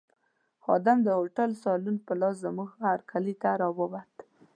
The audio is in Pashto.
خادم د هوټل سایوان په لاس زموږ هرکلي ته راووت.